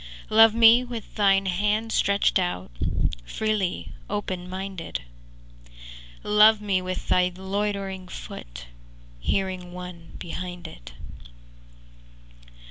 V Love me with thine hand stretched out Freely open minded: Love me with thy loitering foot, Hearing one behind it.